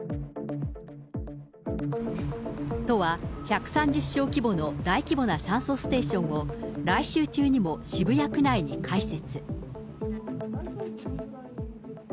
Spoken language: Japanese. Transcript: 都は、１３０床規模の大規模な酸素ステーションを、来週中にも渋谷区内に開設。